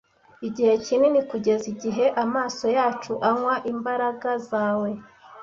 igihe kinini kugeza igihe amaso yacu anywa imbaraga zawe